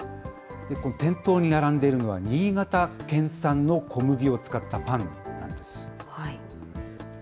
この店頭に並んでいるのは、新潟県産の小麦を使ったパンなんです。